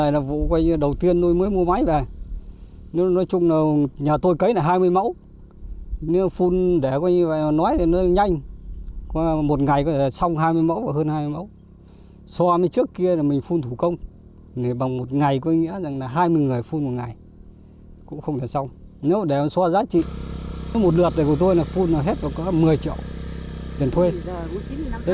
một lượt này của tôi là phun hết một mươi triệu tiền thuê